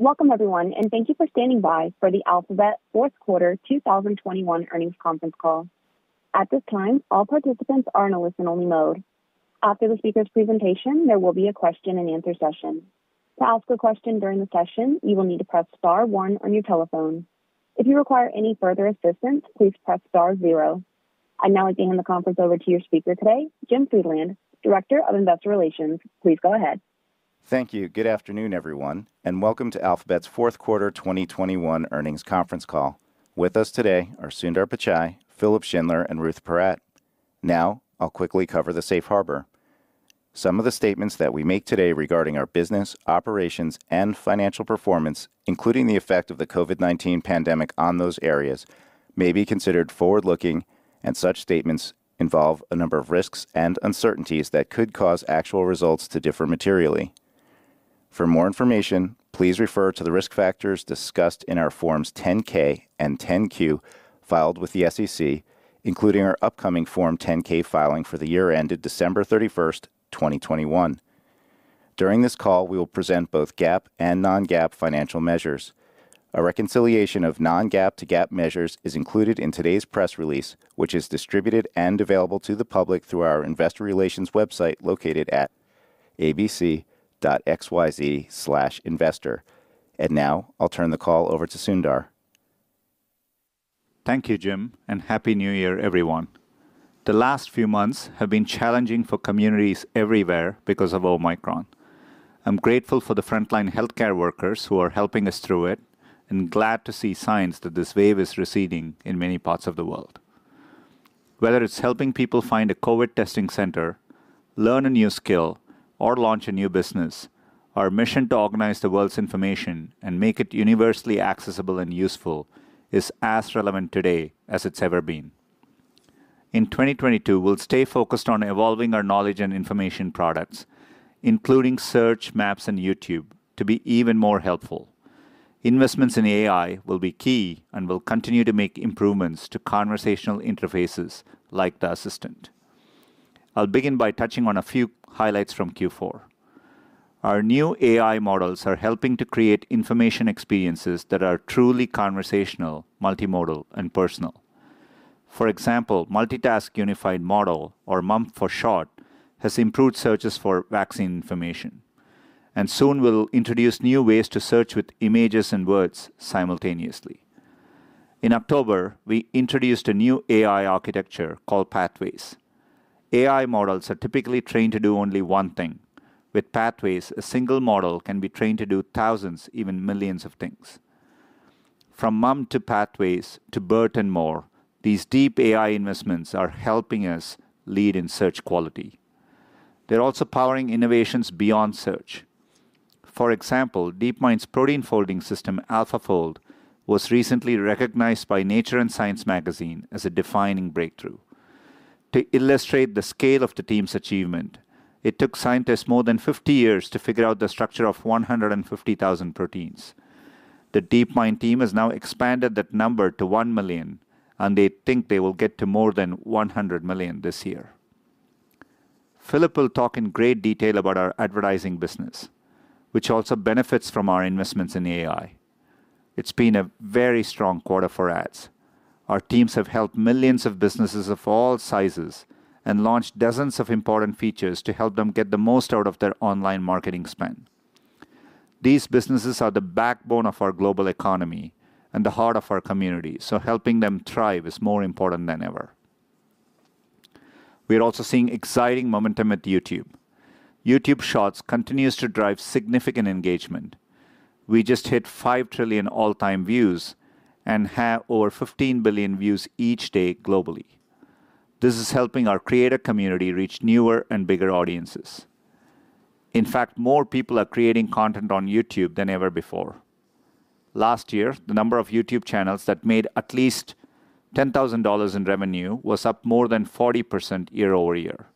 Welcome, everyone, and thank you for standing by for the Alphabet Fourth Quarter 2021 earnings conference call. At this time, all participants are in a listen-only mode. After the speaker's presentation, there will be a question-and-answer session. To ask a question during the session, you will need to press star one on your telephone. If you require any further assistance, please press star zero. I'm now advancing the conference over to your speaker today, Jim Friedland, Director of Investor Relations. Please go ahead. Thank you. Good afternoon, everyone, and welcome to Alphabet's Fourth Quarter 2021 earnings conference call. With us today are Sundar Pichai, Philipp Schindler, and Ruth Porat. Now, I'll quickly cover the safe harbor. Some of the statements that we make today regarding our business, operations, and financial performance, including the effect of the COVID-19 pandemic on those areas, may be considered forward-looking, and such statements involve a number of risks and uncertainties that could cause actual results to differ materially. For more information, please refer to the risk factors discussed in our Forms 10-K and 10-Q filed with the SEC, including our upcoming Form 10-K filing for the year ended December 31st, 2021. During this call, we will present both GAAP and non-GAAP financial measures. A reconciliation of non-GAAP to GAAP measures is included in today's press release, which is distributed and available to the public through our Investor Relations website located at abc.xyz/investor, and now, I'll turn the call over to Sundar. Thank you, Jim, and happy New Year, everyone. The last few months have been challenging for communities everywhere because of Omicron. I'm grateful for the frontline healthcare workers who are helping us through it and glad to see signs that this wave is receding in many parts of the world. Whether it's helping people find a COVID testing center, learn a new skill, or launch a new business, our mission to organize the world's information and make it universally accessible and useful is as relevant today as it's ever been. In 2022, we'll stay focused on evolving our knowledge and information products, including Search, Maps and YouTube, to be even more helpful. Investments in AI will be key and will continue to make improvements to conversational interfaces like the Assistant. I'll begin by touching on a few highlights from Q4. Our new AI models are helping to create information experiences that are truly conversational, multimodal, and personal. For example, Multitask Unified Model, or MUM for short, has improved searches for vaccine information, and soon we'll introduce new ways to search with images and words simultaneously. In October, we introduced a new AI architecture called Pathways. AI models are typically trained to do only one thing. With Pathways, a single model can be trained to do thousands, even millions of things. From MUM to Pathways to BERT and more, these deep AI investments are helping us lead in search quality. They're also powering innovations beyond search. For example, DeepMind's protein folding system, AlphaFold, was recently recognized by Nature and Science magazine as a defining breakthrough. To illustrate the scale of the team's achievement, it took scientists more than 50 years to figure out the structure of 150,000 proteins. The DeepMind team has now expanded that number to one million, and they think they will get to more than 100 million this year. Philipp will talk in great detail about our advertising business, which also benefits from our investments in AI. It's been a very strong quarter for ads. Our teams have helped millions of businesses of all sizes and launched dozens of important features to help them get the most out of their online marketing spend. These businesses are the backbone of our global economy and the heart of our community, so helping them thrive is more important than ever. We're also seeing exciting momentum at YouTube. YouTube Shorts continues to drive significant engagement. We just hit 5 trillion all-time views and have over 15 billion views each day globally. This is helping our creator community reach newer and bigger audiences. In fact, more people are creating content on YouTube than ever before. Last year, the number of YouTube channels that made at least $10,000 in revenue was up more than 40% year over year.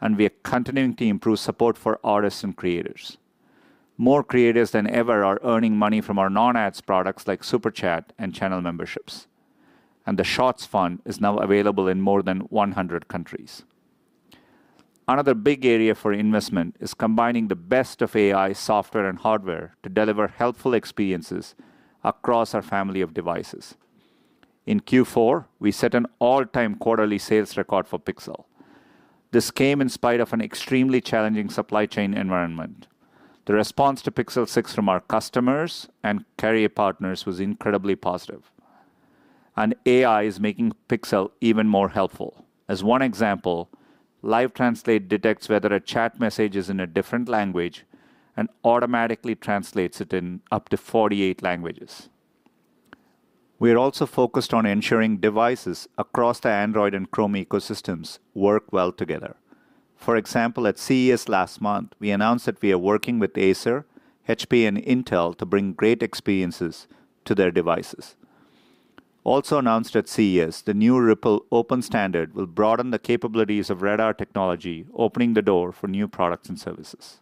And we are continuing to improve support for artists and creators. More creators than ever are earning money from our non-ads products like Super Chat and channel memberships. And the Shorts Fund is now available in more than 100 countries. Another big area for investment is combining the best of AI software and hardware to deliver helpful experiences across our family of devices. In Q4, we set an all-time quarterly sales record for Pixel. This came in spite of an extremely challenging supply chain environment. The response to Pixel 6 from our customers and carrier partners was incredibly positive. And AI is making Pixel even more helpful. As one example, Live Translate detects whether a chat message is in a different language and automatically translates it in up to 48 languages. We're also focused on ensuring devices across the Android and Chrome ecosystems work well together. For example, at CES last month, we announced that we are working with Acer, HP, and Intel to bring great experiences to their devices. Also announced at CES, the new Ripple Open Standard will broaden the capabilities of radar technology, opening the door for new products and services.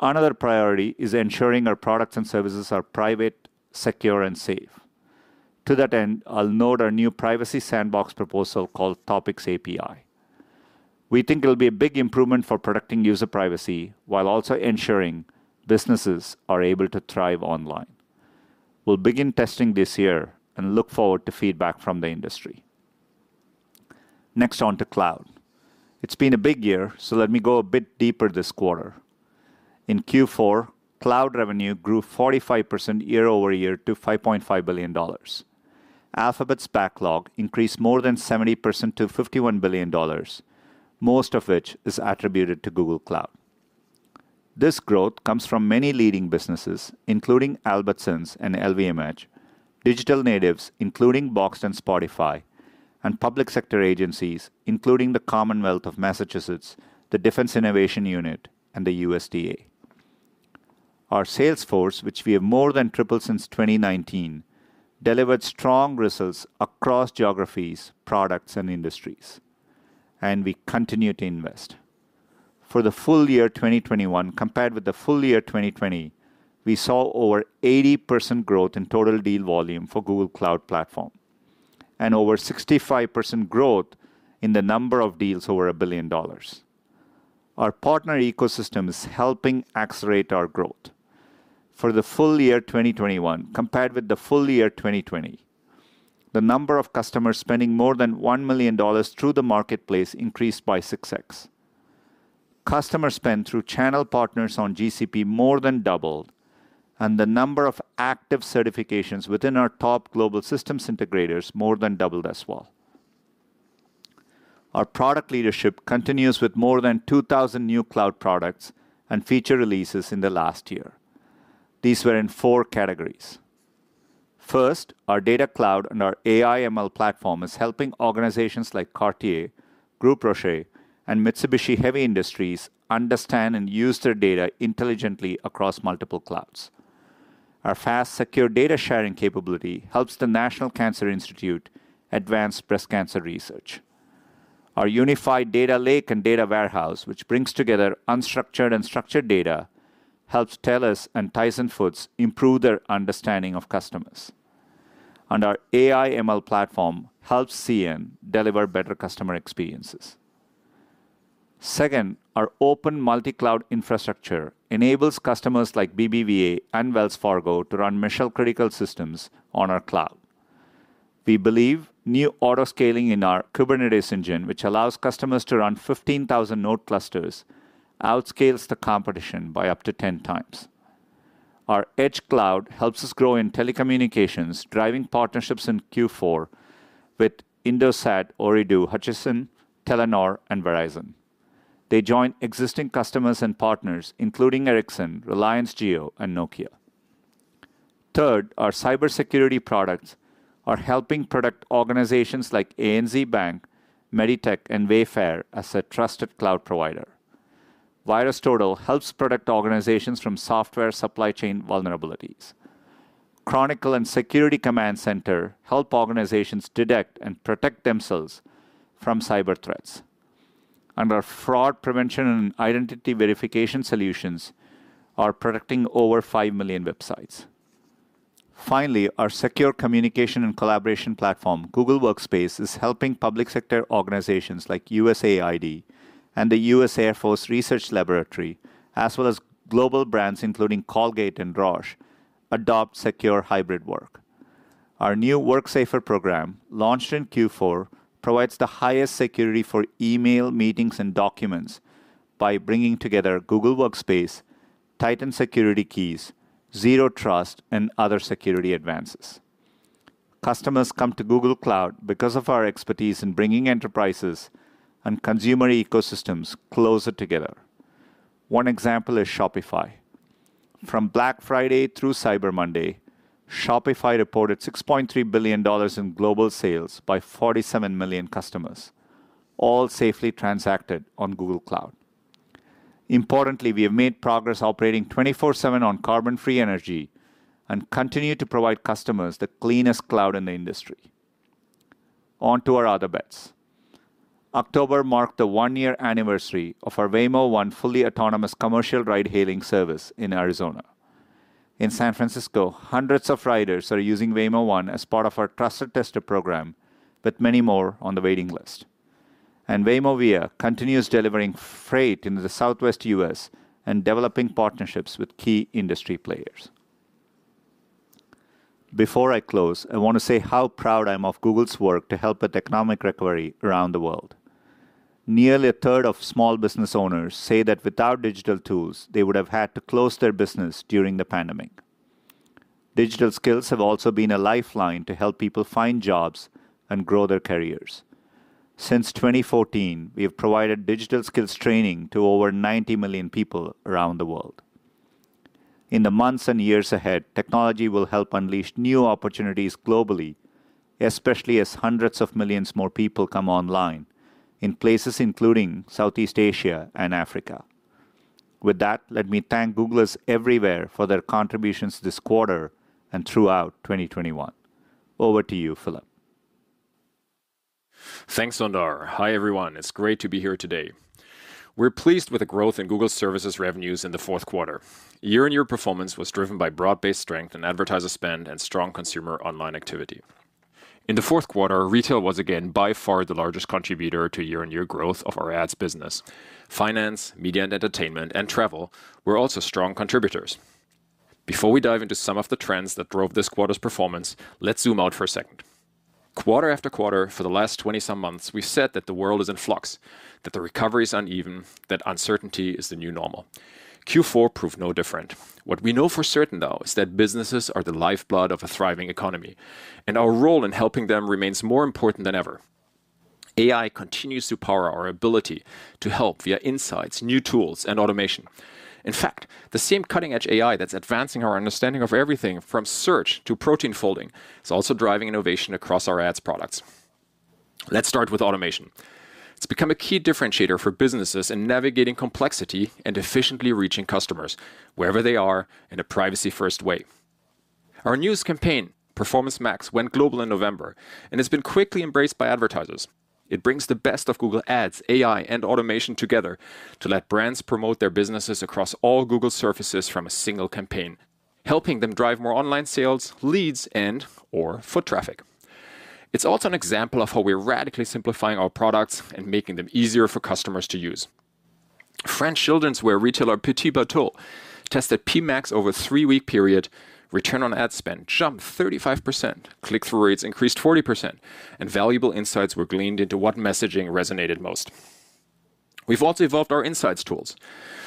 Another priority is ensuring our products and services are private, secure, and safe. To that end, I'll note our new Privacy Sandbox proposal called Topics API. We think it'll be a big improvement for protecting user privacy while also ensuring businesses are able to thrive online. We'll begin testing this year and look forward to feedback from the industry. Next on to Cloud. It's been a big year, so let me go a bit deeper this quarter. In Q4, Cloud revenue grew 45% year over year to $5.5 billion. Alphabet's backlog increased more than 70% to $51 billion, most of which is attributed to Google Cloud. This growth comes from many leading businesses, including Albertsons and LVMH, digital natives including Boxed and Spotify, and public sector agencies including the Commonwealth of Massachusetts, the Defense Innovation Unit, and the USDA. Our sales force, which we have more than tripled since 2019, delivered strong results across geographies, products, and industries. And we continue to invest. For the full year 2021, compared with the full year 2020, we saw over 80% growth in total deal volume for Google Cloud Platform and over 65% growth in the number of deals over a billion dollars. Our partner ecosystem is helping accelerate our growth. For the full year 2021, compared with the full year 2020, the number of customers spending more than $1 million through the marketplace increased by 6x. Customer spend through channel partners on GCP more than doubled, and the number of active certifications within our top global systems integrators more than doubled as well. Our product leadership continues with more than 2,000 new Cloud products and feature releases in the last year. These were in four categories. First, our data cloud and our AI/ML platform is helping organizations like Cartier, Groupe Rocher, and Mitsubishi Heavy Industries understand and use their data intelligently across multiple clouds. Our fast, secure data sharing capability helps the National Cancer Institute advance breast cancer research. Our unified data lake and data warehouse, which brings together unstructured and structured data, helps TELUS and Tyson Foods improve their understanding of customers. And our AI/ML platform helps CN deliver better customer experiences. Second, our open multi-cloud infrastructure enables customers like BBVA and Wells Fargo to run mission-critical systems on our cloud. We believe new autoscaling in our Kubernetes Engine, which allows customers to run 15,000 node clusters, outscales the competition by up to 10 times. Our edge cloud helps us grow in telecommunications, driving partnerships in Q4 with Indosat Ooredoo, Hutchison, Telenor, and Verizon. They join existing customers and partners, including Ericsson, Reliance Jio, and Nokia. Third, our cybersecurity products are helping protect organizations like ANZ Bank, MEDITECH, and Wayfair as a trusted cloud provider. VirusTotal helps protect organizations from software supply chain vulnerabilities. Chronicle and Security Command Center help organizations detect and protect themselves from cyber threats. And our fraud prevention and identity verification solutions are protecting over 5 million websites. Finally, our secure communication and collaboration platform, Google Workspace, is helping public sector organizations like USAID and the US Air Force Research Laboratory, as well as global brands including Colgate and Roche, adopt secure hybrid work. Our new WorkSafer program, launched in Q4, provides the highest security for email meetings and documents by bringing together Google Workspace, Titan Security Keys, Zero Trust, and other security advances. Customers come to Google Cloud because of our expertise in bringing enterprises and consumer ecosystems closer together. One example is Shopify. From Black Friday through Cyber Monday, Shopify reported $6.3 billion in global sales by 47 million customers, all safely transacted on Google Cloud. Importantly, we have made progress operating 24/7 on carbon-free energy and continue to provide customers the cleanest cloud in the industry. On to our other bets. October marked the one-year anniversary of our Waymo One fully autonomous commercial ride-hailing service in Arizona. In San Francisco, hundreds of riders are using Waymo One as part of our Trusted Tester program, but many more on the waiting list, and Waymo Via continues delivering freight in the Southwest US and developing partnerships with key industry players. Before I close, I want to say how proud I'm of Google's work to help with economic recovery around the world. Nearly a third of small business owners say that without digital tools, they would have had to close their business during the pandemic. Digital skills have also been a lifeline to help people find jobs and grow their careers. Since 2014, we have provided digital skills training to over 90 million people around the world. In the months and years ahead, technology will help unleash new opportunities globally, especially as hundreds of millions more people come online in places including Southeast Asia and Africa. With that, let me thank Googlers everywhere for their contributions this quarter and throughout 2021. Over to you, Philipp. Thanks, Sundar. Hi, everyone. It's great to be here today. We're pleased with the growth in Google Services revenues in the fourth quarter. Year-on-year performance was driven by broad-based strength in advertiser spend and strong consumer online activity. In the fourth quarter, retail was again by far the largest contributor to year-on-year growth of our ads business. Finance, media, and entertainment, and travel were also strong contributors. Before we dive into some of the trends that drove this quarter's performance, let's zoom out for a second. Quarter after quarter, for the last 20-some months, we've said that the world is in flux, that the recovery is uneven, that uncertainty is the new normal. Q4 proved no different. What we know for certain, though, is that businesses are the lifeblood of a thriving economy, and our role in helping them remains more important than ever. AI continues to power our ability to help via insights, new tools, and automation. In fact, the same cutting-edge AI that's advancing our understanding of everything from search to protein folding is also driving innovation across our ads products. Let's start with automation. It's become a key differentiator for businesses in navigating complexity and efficiently reaching customers wherever they are in a privacy-first way. Our newest campaign, Performance Max, went global in November and has been quickly embraced by advertisers. It brings the best of Google Ads, AI, and automation together to let brands promote their businesses across all Google services from a single campaign, helping them drive more online sales, leads, and/or foot traffic. It's also an example of how we're radically simplifying our products and making them easier for customers to use. French children's wear retailer Petit Bateau tested Performance Max over a three-week period. Return on ad spend jumped 35%, click-through rates increased 40%, and valuable insights were gleaned into what messaging resonated most. We've also evolved our insights tools.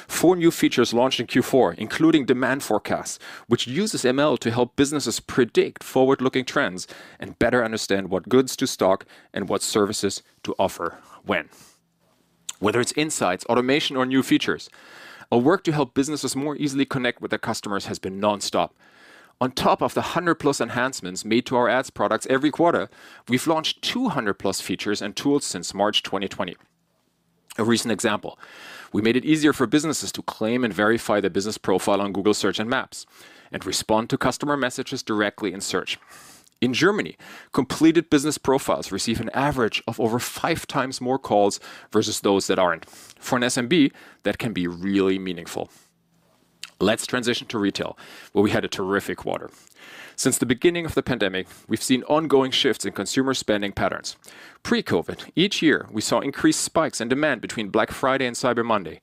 Four new features launched in Q4, including Demand Forecast, which uses ML to help businesses predict forward-looking trends and better understand what goods to stock and what services to offer when. Whether it's insights, automation, or new features, our work to help businesses more easily connect with their customers has been nonstop. On top of the 100-plus enhancements made to our ads products every quarter, we've launched 200-plus features and tools since March 2020. A recent example: we made it easier for businesses to claim and verify their business profile on Google Search and Maps and respond to customer messages directly in Search. In Germany, completed business profiles receive an average of over five times more calls versus those that aren't. For an SMB, that can be really meaningful. Let's transition to retail, where we had a terrific quarter. Since the beginning of the pandemic, we've seen ongoing shifts in consumer spending patterns. Pre-COVID, each year, we saw increased spikes in demand between Black Friday and Cyber Monday.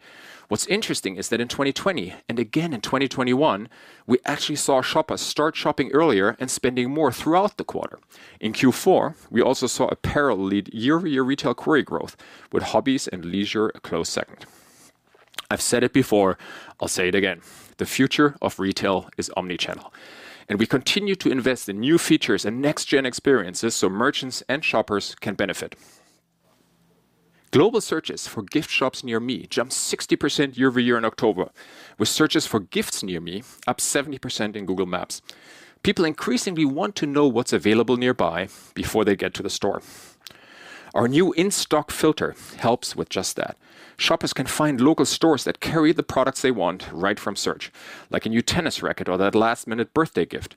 What's interesting is that in 2020 and again in 2021, we actually saw shoppers start Shopping earlier and spending more throughout the quarter. In Q4, we also saw a parallel lead year-to-year retail query growth, with hobbies and leisure a close second. I've said it before, I'll say it again. The future of retail is omnichannel, and we continue to invest in new features and next-gen experiences so merchants and shoppers can benefit. Global searches for gift shops near me jumped 60% year-to-year in October, with searches for gifts near me up 70% in Google Maps. People increasingly want to know what's available nearby before they get to the store. Our new In-Stock filter helps with just that. Shoppers can find local stores that carry the products they want right from Search, like a new tennis racket or that last-minute birthday gift.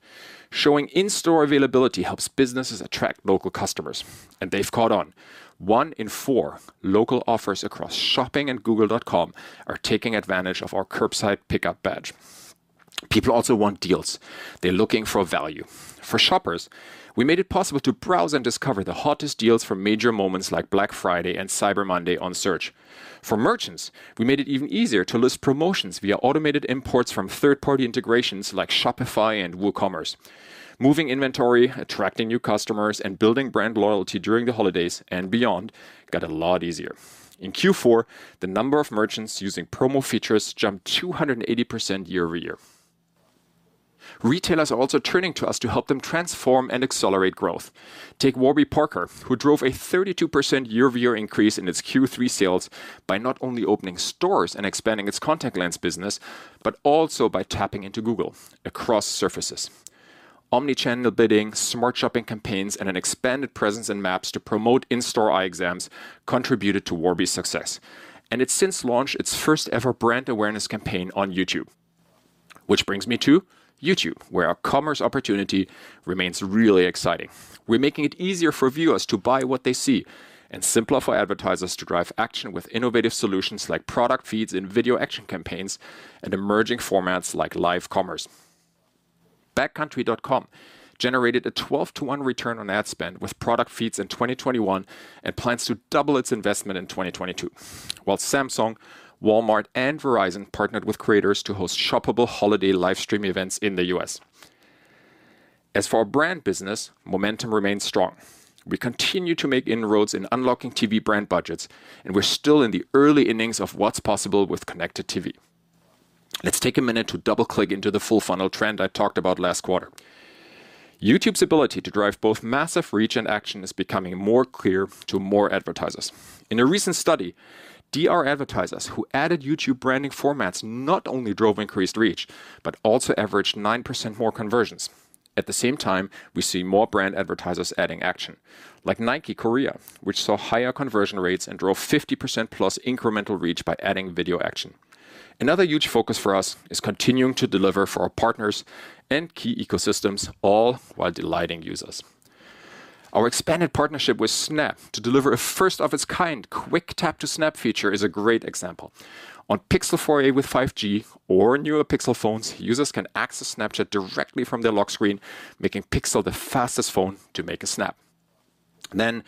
Showing in-store availability helps businesses attract local customers. And they've caught on. One in four local offers across shopping and Google.com are taking advantage of our curbside pickup badge. People also want deals. They're looking for value. For shoppers, we made it possible to browse and discover the hottest deals for major moments like Black Friday and Cyber Monday on Search. For merchants, we made it even easier to list promotions via automated imports from third-party integrations like Shopify and WooCommerce. Moving inventory, attracting new customers, and building brand loyalty during the holidays and beyond got a lot easier. In Q4, the number of merchants using promo features jumped 280% year-to-year. Retailers are also turning to us to help them transform and accelerate growth. Take Warby Parker, who drove a 32% year-to-year increase in its Q3 sales by not only opening stores and expanding its contact lens business, but also by tapping into Google across surfaces. Omni-channel bidding, Smart Shopping campaigns, and an expanded presence in Maps to promote in-store eye exams contributed to Warby's success. And it's since launched its first-ever brand awareness campaign on YouTube, which brings me to YouTube, where our commerce opportunity remains really exciting. We're making it easier for viewers to buy what they see and simplify advertisers to drive action with innovative solutions like product feeds in Video action campaigns and emerging formats like live commerce. Backcountry.com generated a 12-to-1 return on ad spend with product feeds in 2021 and plans to double its investment in 2022, while Samsung, Walmart, and Verizon partnered with creators to host shoppable holiday livestream events in the US. As for our brand business, momentum remains strong. We continue to make inroads in unlocking TV brand budgets, and we're still in the early innings of what's possible with connected TV. Let's take a minute to double-click into the full funnel trend I talked about last quarter. YouTube's ability to drive both massive reach and action is becoming more clear to more advertisers. In a recent study, DR advertisers who added YouTube branding formats not only drove increased reach, but also averaged 9% more conversions. At the same time, we see more brand advertisers adding action, like Nike Korea, which saw higher conversion rates and drove 50%-plus incremental reach by adding video action. Another huge focus for us is continuing to deliver for our partners and key ecosystems, all while delighting users. Our expanded partnership with Snap to deliver a first-of-its-kind Quick Tap to Snap feature is a great example. On Pixel 4a with 5G or newer Pixel phones, users can access Snapchat directly from their lock screen, making Pixel the fastest phone to make a snap, then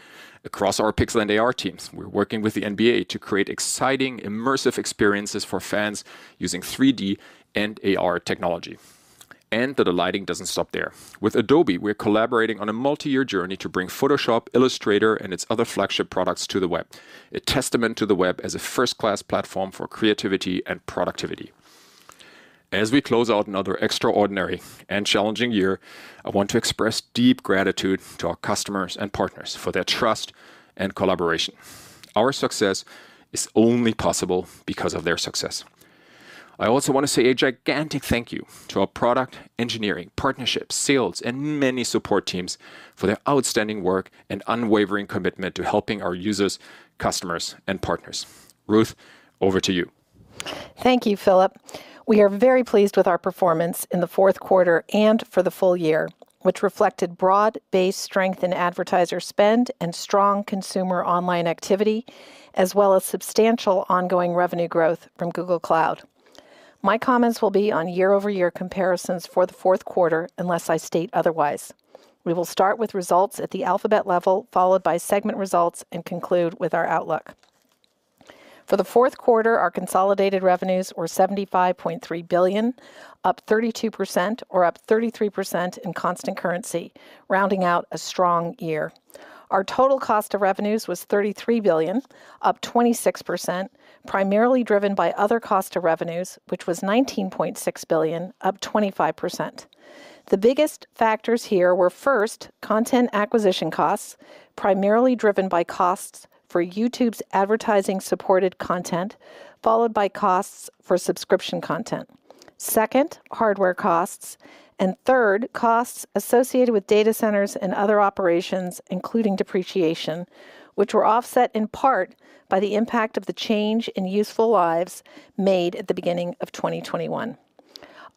across our Pixel and AR teams, we're working with the NBA to create exciting, immersive experiences for fans using 3D and AR technology, and the delighting doesn't stop there. With Adobe, we're collaborating on a multi-year journey to bring Photoshop, Illustrator, and its other flagship products to the web, a testament to the web as a first-class platform for creativity and productivity. As we close out another extraordinary and challenging year, I want to express deep gratitude to our customers and partners for their trust and collaboration. Our success is only possible because of their success. I also want to say a gigantic thank you to our product engineering, partnerships, sales, and many support teams for their outstanding work and unwavering commitment to helping our users, customers, and partners. Ruth, over to you. Thank you, Philipp. We are very pleased with our performance in the fourth quarter and for the full year, which reflected broad-based strength in advertiser spend and strong consumer online activity, as well as substantial ongoing revenue growth from Google Cloud. My comments will be on year-over-year comparisons for the fourth quarter, unless I state otherwise. We will start with results at the Alphabet level, followed by segment results, and conclude with our outlook. For the fourth quarter, our consolidated revenues were $75.3 billion, up 32%, or up 33% in constant currency, rounding out a strong year. Our total cost of revenues was $33 billion, up 26%, primarily driven by other cost of revenues, which was $19.6 billion, up 25%. The biggest factors here were, first, content acquisition costs, primarily driven by costs for YouTube's advertising-supported content, followed by costs for subscription content. Second, hardware costs. Third, costs associated with data centers and other operations, including depreciation, which were offset in part by the impact of the change in useful lives made at the beginning of 2021.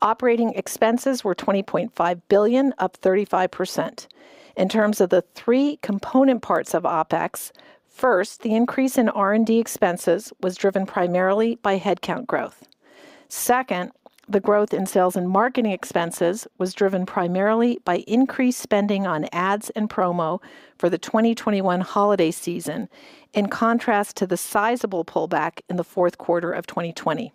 Operating expenses were $20.5 billion, up 35%. In terms of the three component parts of OPEX, first, the increase in R&D expenses was driven primarily by headcount growth. Second, the growth in sales and marketing expenses was driven primarily by increased spending on ads and promo for the 2021 holiday season, in contrast to the sizable pullback in the fourth quarter of 2020.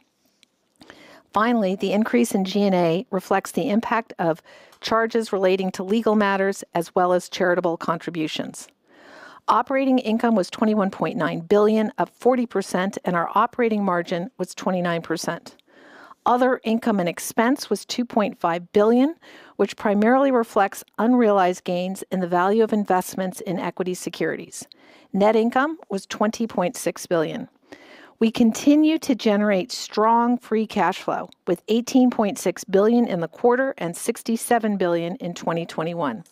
Finally, the increase in G&A reflects the impact of charges relating to legal matters as well as charitable contributions. Operating income was $21.9 billion, up 40%, and our operating margin was 29%. Other income and expense was $2.5 billion, which primarily reflects unrealized gains in the value of investments in equity securities. Net income was $20.6 billion. We continue to generate strong free cash flow, with $18.6 billion in the quarter and $67 billion in 2021.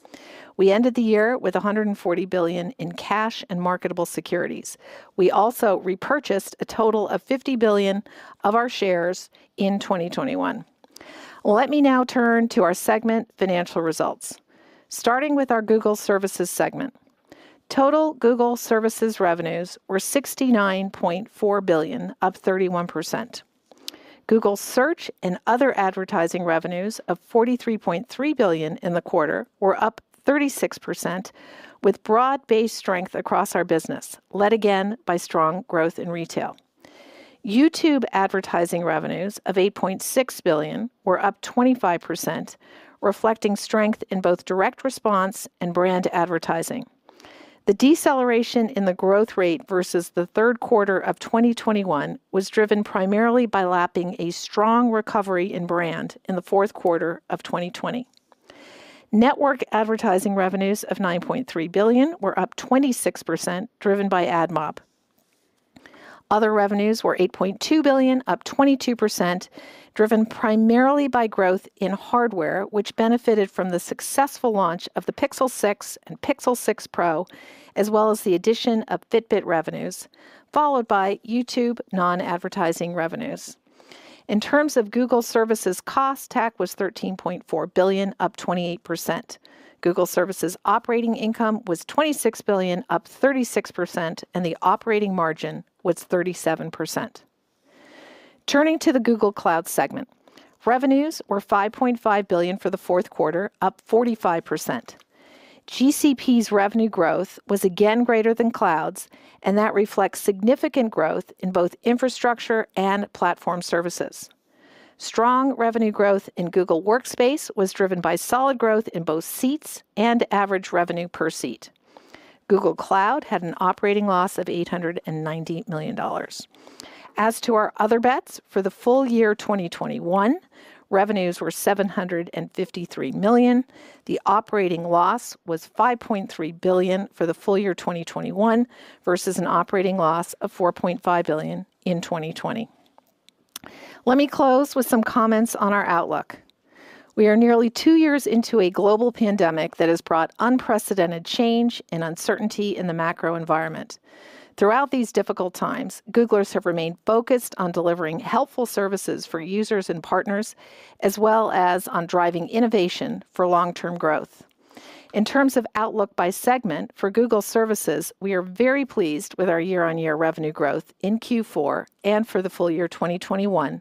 We ended the year with $140 billion in cash and marketable securities. We also repurchased a total of $50 billion of our shares in 2021. Let me now turn to our segment financial results. Starting with our Google Services segment, total Google Services revenues were $69.4 billion, up 31%. Google Search and other advertising revenues of $43.3 billion in the quarter were up 36%, with broad-based strength across our business, led again by strong growth in retail. YouTube advertising revenues of $8.6 billion were up 25%, reflecting strength in both direct response and brand advertising. The deceleration in the growth rate versus the third quarter of 2021 was driven primarily by lapping a strong recovery in brand in the fourth quarter of 2020. Network advertising revenues of $9.3 billion were up 26%, driven by AdMob. Other revenues were $8.2 billion, up 22%, driven primarily by growth in hardware, which benefited from the successful launch of the Pixel 6 and Pixel 6 Pro, as well as the addition of Fitbit revenues, followed by YouTube non-advertising revenues. In terms of Google Services cost, TAC was $13.4 billion, up 28%. Google Services operating income was $26 billion, up 36%, and the operating margin was 37%. Turning to the Google Cloud segment, revenues were $5.5 billion for the fourth quarter, up 45%. GCP's revenue growth was again greater than Cloud's, and that reflects significant growth in both infrastructure and platform services. Strong revenue growth in Google Workspace was driven by solid growth in both seats and average revenue per seat. Google Cloud had an operating loss of $890 million. As to our other bets, for the full year 2021, revenues were $753 million. The operating loss was $5.3 billion for the full year 2021 versus an operating loss of $4.5 billion in 2020. Let me close with some comments on our outlook. We are nearly two years into a global pandemic that has brought unprecedented change and uncertainty in the macro environment. Throughout these difficult times, Googlers have remained focused on delivering helpful services for users and partners, as well as on driving innovation for long-term growth. In terms of outlook by segment for Google Services, we are very pleased with our year-on-year revenue growth in Q4 and for the full year 2021,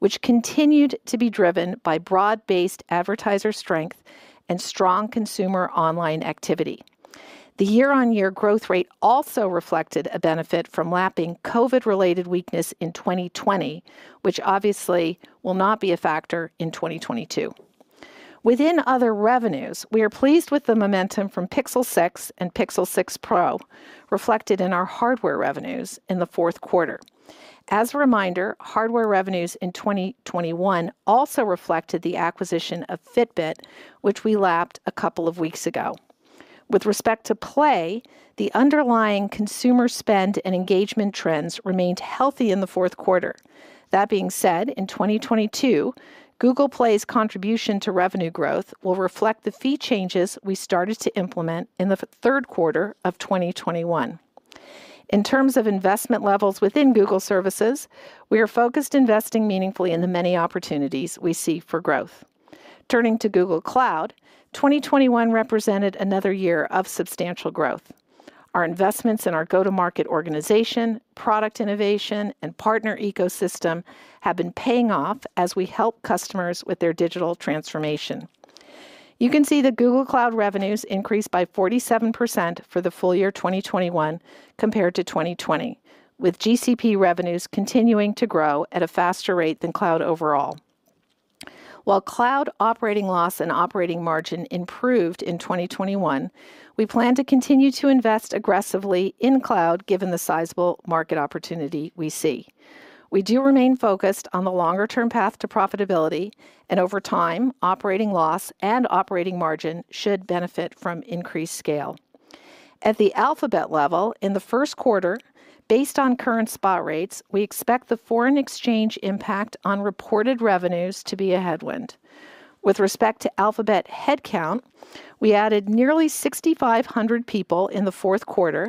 which continued to be driven by broad-based advertiser strength and strong consumer online activity. The year-on-year growth rate also reflected a benefit from lapping COVID-related weakness in 2020, which obviously will not be a factor in 2022. Within other revenues, we are pleased with the momentum from Pixel 6 and Pixel 6 Pro, reflected in our hardware revenues in the fourth quarter. As a reminder, hardware revenues in 2021 also reflected the acquisition of Fitbit, which we lapped a couple of weeks ago. With respect to Play, the underlying consumer spend and engagement trends remained healthy in the fourth quarter. That being said, in 2022, Google Play's contribution to revenue growth will reflect the fee changes we started to implement in the third quarter of 2021. In terms of investment levels within Google Services, we are focused on investing meaningfully in the many opportunities we see for growth. Turning to Google Cloud, 2021 represented another year of substantial growth. Our investments in our go-to-market organization, product innovation, and partner ecosystem have been paying off as we help customers with their digital transformation. You can see that Google Cloud revenues increased by 47% for the full year 2021 compared to 2020, with GCP revenues continuing to grow at a faster rate than Cloud overall. While Cloud operating loss and operating margin improved in 2021, we plan to continue to invest aggressively in Cloud given the sizable market opportunity we see. We do remain focused on the longer-term path to profitability, and over time, operating loss and operating margin should benefit from increased scale. At the Alphabet level, in the first quarter, based on current spot rates, we expect the foreign exchange impact on reported revenues to be a headwind. With respect to Alphabet headcount, we added nearly 6,500 people in the fourth quarter,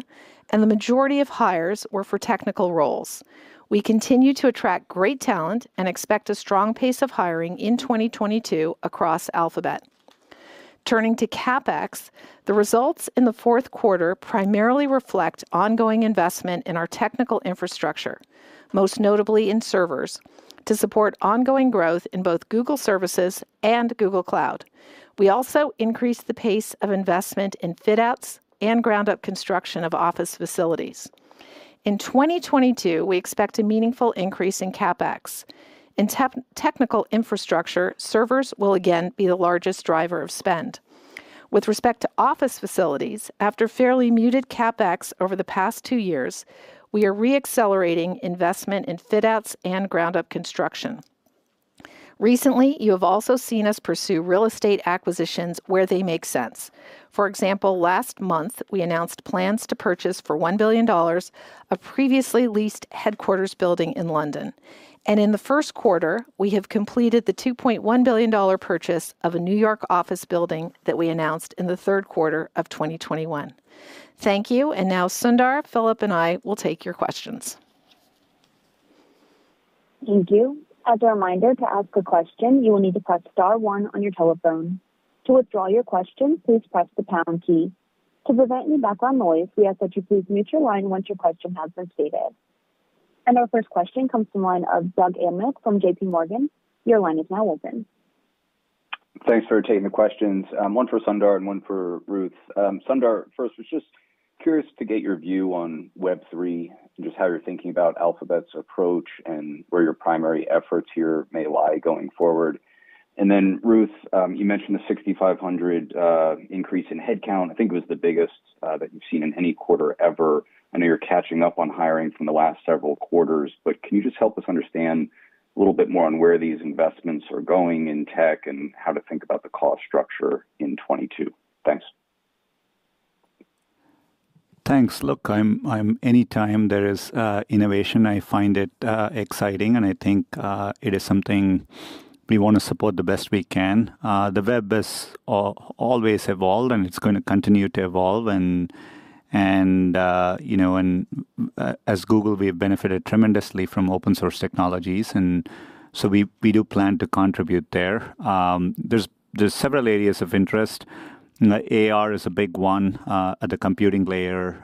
and the majority of hires were for technical roles. We continue to attract great talent and expect a strong pace of hiring in 2022 across Alphabet. Turning to CapEx, the results in the fourth quarter primarily reflect ongoing investment in our technical infrastructure, most notably in servers, to support ongoing growth in both Google Services and Google Cloud. We also increased the pace of investment in fit-outs and ground-up construction of office facilities. In 2022, we expect a meaningful increase in CapEx. In technical infrastructure, servers will again be the largest driver of spend. With respect to office facilities, after fairly muted CapEx over the past two years, we are re-accelerating investment in fit-outs and ground-up construction. Recently, you have also seen us pursue real estate acquisitions where they make sense. For example, last month, we announced plans to purchase for $1 billion a previously leased headquarters building in London, and in the first quarter, we have completed the $2.1 billion purchase of a New York office building that we announced in the third quarter of 2021. Thank you, and now, Sundar, Philipp, and I will take your questions. Thank you. As a reminder, to ask a question, you will need to press star one on your telephone. To withdraw your question, please press the pound key. To prevent any background noise, we ask that you please mute your line once your question has been stated. And our first question comes from the line of Doug Anmuth from J.P. Morgan. Your line is now open. Thanks for taking the questions. One for Sundar and one for Ruth. Sundar, first, I was just curious to get your view on Web3 and just how you're thinking about Alphabet's approach and where your primary efforts here may lie going forward? And then, Ruth, you mentioned the 6,500 increase in headcount. I think it was the biggest that you've seen in any quarter ever. I know you're catching up on hiring from the last several quarters, but can you just help us understand a little bit more on where these investments are going in tech and how to think about the cost structure in 2022? Thanks. Thanks, look, anytime there is innovation, I find it exciting, and I think it is something we want to support the best we can. The web has always evolved, and it's going to continue to evolve, and as Google, we have benefited tremendously from open-source technologies, and so we do plan to contribute there. There's several areas of interest. AR is a big one at the computing layer.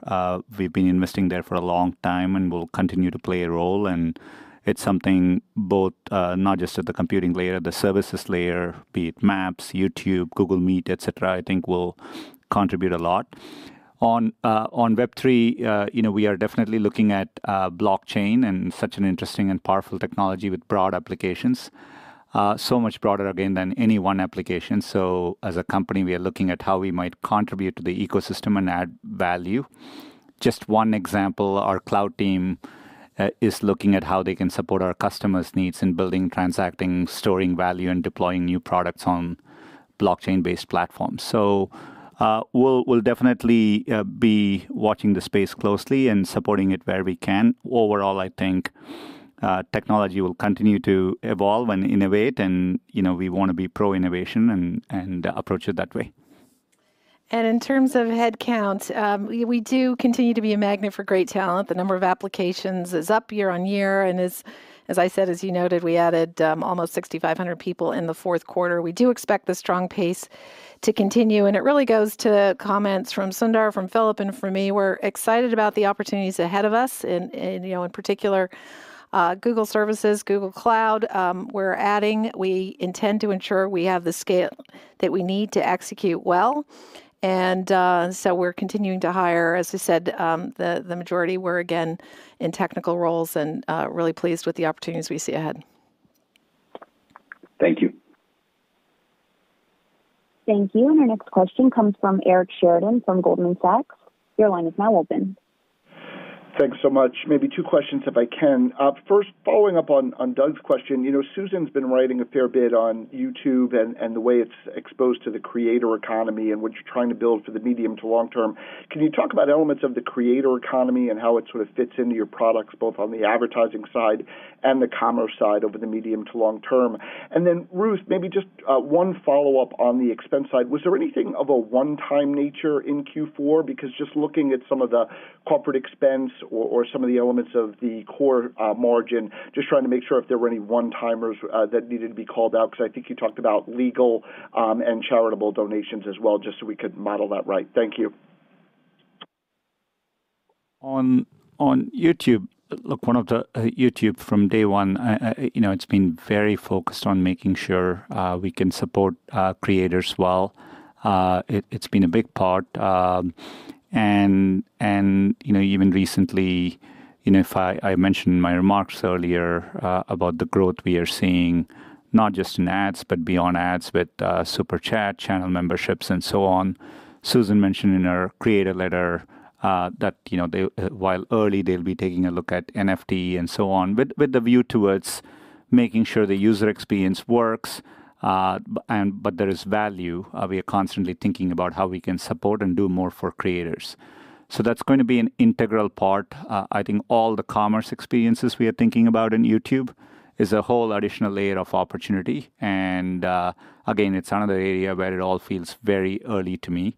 We've been investing there for a long time and will continue to play a role, and it's something both not just at the computing layer, at the services layer, be it Maps, YouTube, Google Meet, et cetera, I think will contribute a lot. On Web3, we are definitely looking at blockchain and such an interesting and powerful technology with broad applications, so much broader again than any one application. So as a company, we are looking at how we might contribute to the ecosystem and add value. Just one example, our cloud team is looking at how they can support our customers' needs in building, transacting, storing value, and deploying new products on blockchain-based platforms. So we'll definitely be watching the space closely and supporting it where we can. Overall, I think technology will continue to evolve and innovate, and we want to be pro-innovation and approach it that way. In terms of headcount, we do continue to be a magnet for great talent. The number of applications is up year on year. As I said, as you noted, we added almost 6,500 people in the fourth quarter. We do expect the strong pace to continue. It really goes to comments from Sundar, from Philipp, and from me. We're excited about the opportunities ahead of us, in particular, Google Services, Google Cloud. We're adding. We intend to ensure we have the scale that we need to execute well. We're continuing to hire, as I said, the majority were again in technical roles and really pleased with the opportunities we see ahead. Thank you. Thank you. And our next question comes from Eric Sheridan from Goldman Sachs. Your line is now open. Thanks so much. Maybe two questions if I can. First, following up on Doug's question, Susan's been writing a fair bit on YouTube and the way it's exposed to the creator economy and what you're trying to build for the medium to long term. Can you talk about elements of the creator economy and how it sort of fits into your products, both on the advertising side and the commerce side over the medium to long term? And then, Ruth, maybe just one follow-up on the expense side. Was there anything of a one-time nature in Q4? Because just looking at some of the corporate expense or some of the elements of the core margin, just trying to make sure if there were any one-timers that needed to be called out, because I think you talked about legal and charitable donations as well, just so we could model that right. Thank you. On YouTube, look, one of the YouTube from day one, it's been very focused on making sure we can support creators well. It's been a big part, and even recently, I mentioned in my remarks earlier about the growth we are seeing, not just in ads, but beyond ads with Super Chat, channel memberships, and so on. Susan mentioned in her creator letter that while early, they'll be taking a look at NFT and so on, with the view towards making sure the user experience works, but there is value. We are constantly thinking about how we can support and do more for creators. So that's going to be an integral part. I think all the commerce experiences we are thinking about in YouTube is a whole additional layer of opportunity, and again, it's another area where it all feels very early to me.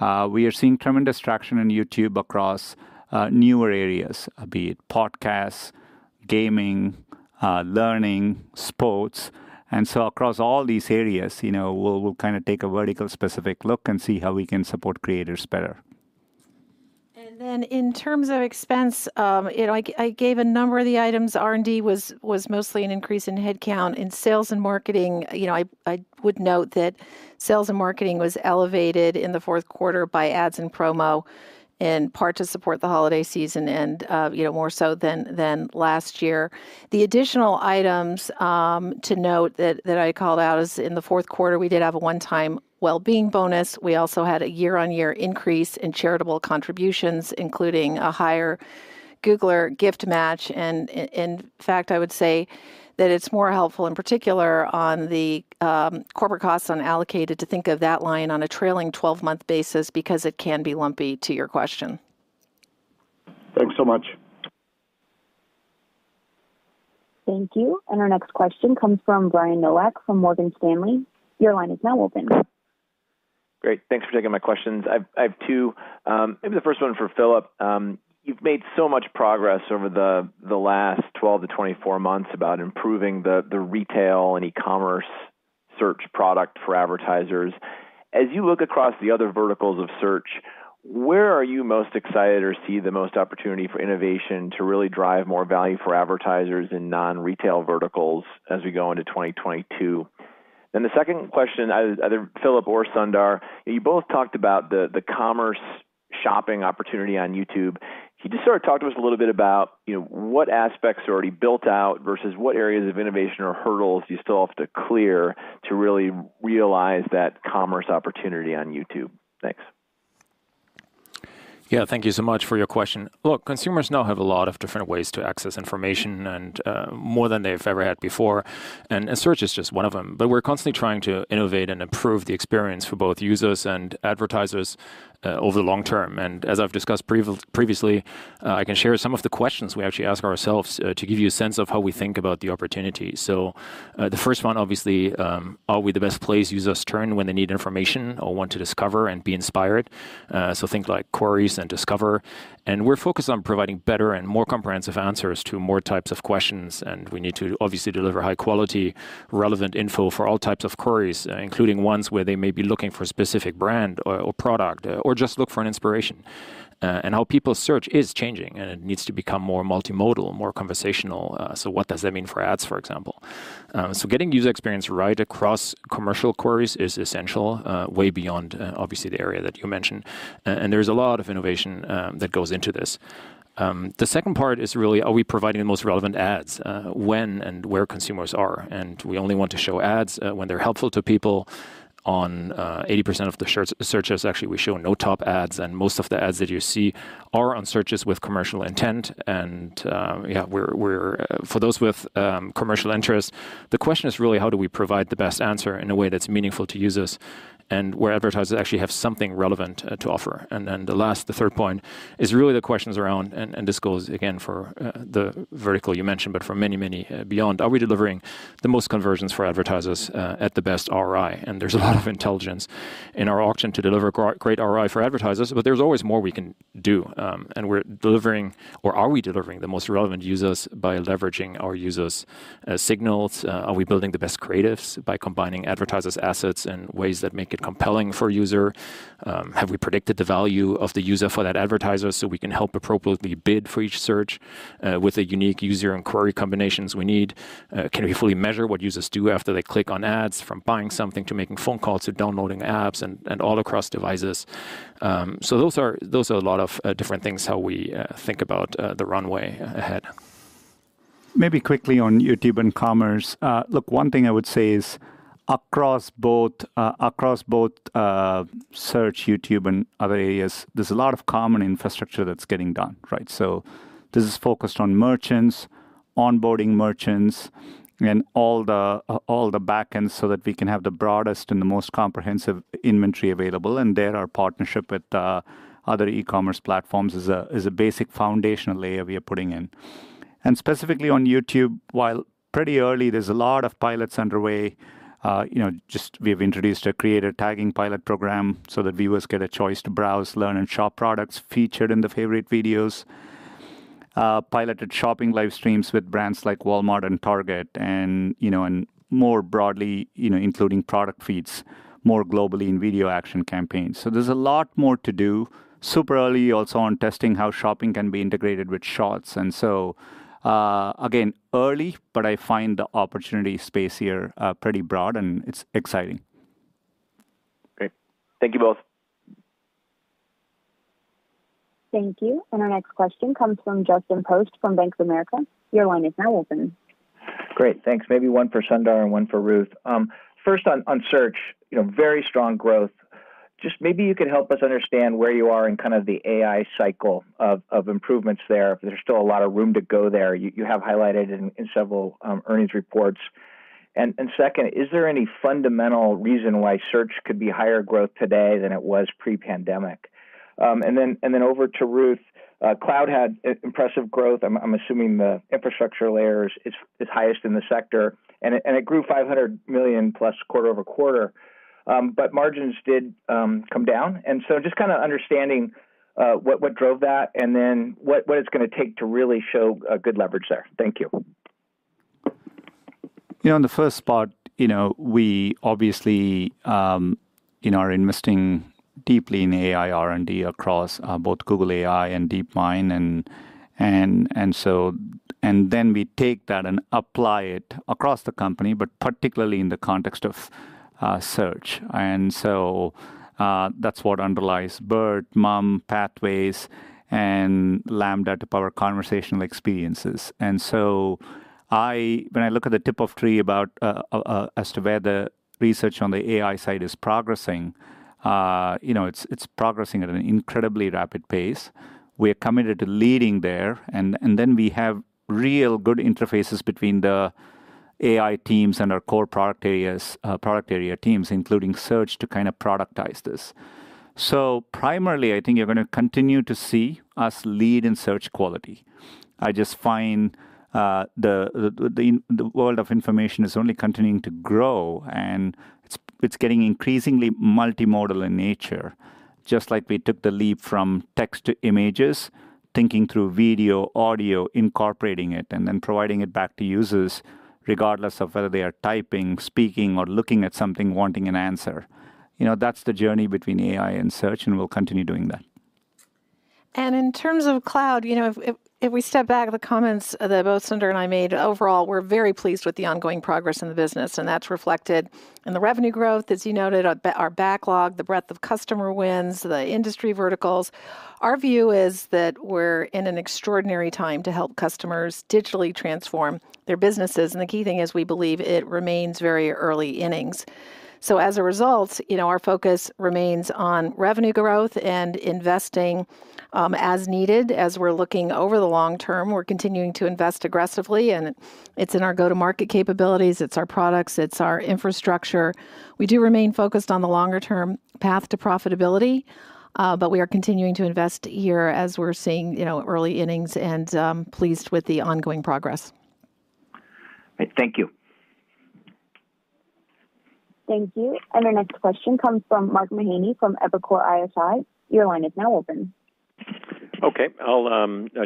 We are seeing tremendous traction in YouTube across newer areas, be it podcasts, gaming, learning, sports, and so across all these areas, we'll kind of take a vertical-specific look and see how we can support creators better. And then in terms of expense, I gave a number of the items. R&D was mostly an increase in headcount. In sales and marketing, I would note that sales and marketing was elevated in the fourth quarter by ads and promo in part to support the holiday season and more so than last year. The additional items to note that I called out is in the fourth quarter, we did have a one-time well-being bonus. We also had a year-on-year increase in charitable contributions, including a higher Googler gift match. And in fact, I would say that it's more helpful, in particular, on the corporate costs unallocated to think of that line on a trailing 12-month basis because it can be lumpy. To your question. Thanks so much. Thank you. And our next question comes from Brian Nowak from Morgan Stanley. Your line is now open. Great. Thanks for taking my questions. I have two. Maybe the first one for Philipp. You've made so much progress over the last 12 to 24 months about improving the retail and e-commerce search product for advertisers. As you look across the other verticals of search, where are you most excited or see the most opportunity for innovation to really drive more value for advertisers in non-retail verticals as we go into 2022? And the second question, either Philipp or Sundar, you both talked about the commerce shopping opportunity on YouTube. Can you just sort of talk to us a little bit about what aspects are already built out versus what areas of innovation or hurdles you still have to clear to really realize that commerce opportunity on YouTube? Thanks. Yeah, thank you so much for your question. Look, consumers now have a lot of different ways to access information and more than they've ever had before. And search is just one of them. But we're constantly trying to innovate and improve the experience for both users and advertisers over the long term. And as I've discussed previously, I can share some of the questions we actually ask ourselves to give you a sense of how we think about the opportunity. So the first one, obviously, are we the best place users turn when they need information or want to discover and be inspired? So think like queries and discover. And we're focused on providing better and more comprehensive answers to more types of questions. We need to obviously deliver high-quality, relevant info for all types of queries, including ones where they may be looking for a specific brand or product or just look for an inspiration. How people search is changing, and it needs to become more multimodal, more conversational. What does that mean for ads, for example? Getting user experience right across commercial queries is essential, way beyond, obviously, the area that you mentioned. There's a lot of innovation that goes into this. The second part is really, are we providing the most relevant ads when and where consumers are? We only want to show ads when they're helpful to people. On 80% of the searches, actually, we show no top ads. Most of the ads that you see are on searches with commercial intent. Yeah, for those with commercial interest, the question is really, how do we provide the best answer in a way that's meaningful to users and where advertisers actually have something relevant to offer? Then the last, the third point is really the questions around, and this goes again for the vertical you mentioned, but for many, many beyond, are we delivering the most conversions for advertisers at the best ROI? And there's a lot of intelligence in our auction to deliver great ROI for advertisers, but there's always more we can do. And are we delivering the most relevant users by leveraging our users' signals? Are we building the best creatives by combining advertisers' assets in ways that make it compelling for a user? Have we predicted the value of the user for that advertiser so we can help appropriately bid for each search with the unique user and query combinations we need? Can we fully measure what users do after they click on ads, from buying something to making phone calls to downloading apps and all across devices? So those are a lot of different things, how we think about the runway ahead. Maybe quickly on YouTube and commerce. Look, one thing I would say is across both search, YouTube, and other areas, there's a lot of common infrastructure that's getting done. So this is focused on merchants, onboarding merchants, and all the backends so that we can have the broadest and the most comprehensive inventory available. And there are partnerships with other e-commerce platforms as a basic foundational layer we are putting in. And specifically on YouTube, while pretty early, there's a lot of pilots underway. Just we have introduced a creator tagging pilot program so that viewers get a choice to browse, learn, and shop products featured in the favorite videos, piloted shopping live streams with brands like Walmart and Target, and more broadly, including product feeds more globally in video action campaigns. So there's a lot more to do. Super early also on testing how shopping can be integrated with Shorts. And so again, early, but I find the opportunity space here pretty broad, and it's exciting. Great. Thank you both. Thank you. And our next question comes from Justin Post from Bank of America. Your line is now open. Great. Thanks. Maybe one for Sundar and one for Ruth. First, on search, very strong growth. Just maybe you could help us understand where you are in kind of the AI cycle of improvements there. There's still a lot of room to go there. You have highlighted it in several earnings reports. And second, is there any fundamental reason why search could be higher growth today than it was pre-pandemic? And then over to Ruth, cloud had impressive growth. I'm assuming the infrastructure layer is highest in the sector. And it grew 500 million plus quarter over quarter. But margins did come down. And so just kind of understanding what drove that and then what it's going to take to really show good leverage there. Thank you. On the first part, we obviously are investing deeply in AI, R&D across both Google AI and DeepMind. And so then we take that and apply it across the company, but particularly in the context of search. And so that's what underlies BERT, MUM, Pathways, and LaMDA to power conversational experiences. And so when I look at the tip of the tree as to where the research on the AI side is progressing, it's progressing at an incredibly rapid pace. We are committed to leading there. And then we have real good interfaces between the AI teams and our core product area teams, including search to kind of productize this. So primarily, I think you're going to continue to see us lead in search quality. I just find the world of information is only continuing to grow, and it's getting increasingly multimodal in nature, just like we took the leap from text to images, thinking through video, audio, incorporating it, and then providing it back to users regardless of whether they are typing, speaking, or looking at something, wanting an answer. That's the journey between AI and search, and we'll continue doing that. In terms of cloud, if we step back, the comments that both Sundar and I made, overall, we're very pleased with the ongoing progress in the business. That's reflected in the revenue growth, as you noted, our backlog, the breadth of customer wins, the industry verticals. Our view is that we're in an extraordinary time to help customers digitally transform their businesses. The key thing is we believe it remains very early innings. As a result, our focus remains on revenue growth and investing as needed as we're looking over the long term. We're continuing to invest aggressively. It's in our go-to-market capabilities. It's our products. It's our infrastructure. We do remain focused on the longer-term path to profitability, but we are continuing to invest here as we're seeing early innings and pleased with the ongoing progress. Great. Thank you. Thank you. Our next question comes from Mark Mahaney from Evercore ISI. Your line is now open. Okay. I'll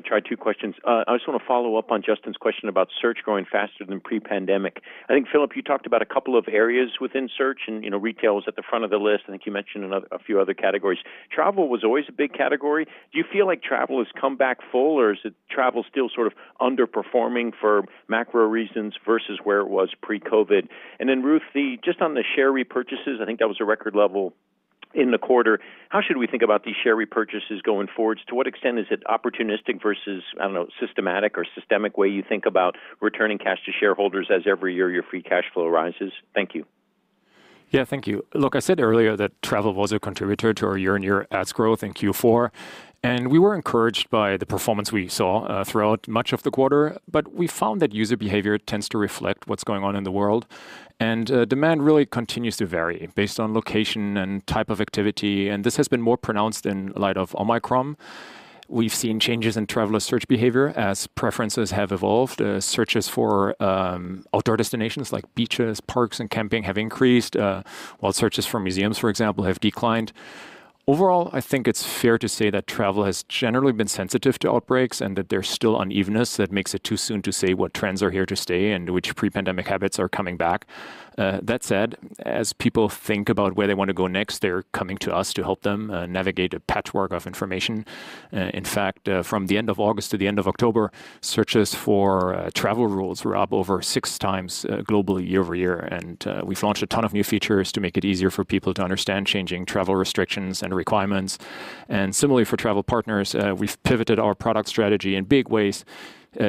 try two questions. I just want to follow up on Justin's question about search growing faster than pre-pandemic. I think, Philipp, you talked about a couple of areas within search, and retail was at the front of the list. I think you mentioned a few other categories. Travel was always a big category. Do you feel like travel has come back full, or is travel still sort of underperforming for macro reasons versus where it was pre-COVID? And then Ruth, just on the share repurchases, I think that was a record level in the quarter. How should we think about these share repurchases going forward? To what extent is it opportunistic versus, I don't know, systematic or systemic way you think about returning cash to shareholders as every year your free cash flow rises? Thank you. Yeah, thank you. Look, I said earlier that travel was a contributor to our year-on-year ads growth in Q4. And we were encouraged by the performance we saw throughout much of the quarter. But we found that user behavior tends to reflect what's going on in the world. And demand really continues to vary based on location and type of activity. And this has been more pronounced in light of Omicron. We've seen changes in traveler search behavior as preferences have evolved. Searches for outdoor destinations like beaches, parks, and camping have increased, while searches for museums, for example, have declined. Overall, I think it's fair to say that travel has generally been sensitive to outbreaks and that there's still unevenness that makes it too soon to say what trends are here to stay and which pre-pandemic habits are coming back. That said, as people think about where they want to go next, they're coming to us to help them navigate a patchwork of information. In fact, from the end of August to the end of October, searches for travel rules were up over six times globally year over year. And we've launched a ton of new features to make it easier for people to understand changing travel restrictions and requirements. And similarly, for travel partners, we've pivoted our product strategy in big ways